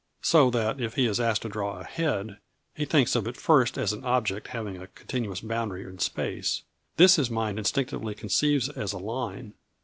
So that if he is asked to draw a head, he thinks of it first as an object having a continuous boundary in space. This his mind instinctively conceives as a line.